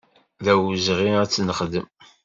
D awezɣi ad tt-nexdem.